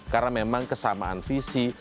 karena memang kesamaan visi